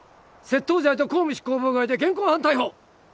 窃盗罪と公務執行妨害で現行犯逮捕。